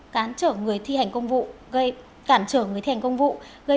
cản trở người thi hành công vụ gây bức xúc trong quần chúng nhân dân